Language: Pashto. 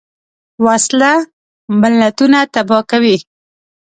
وسله ملتونه تباه کوي